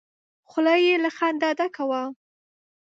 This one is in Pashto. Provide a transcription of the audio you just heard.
خوله يې له خندا ډکه وه!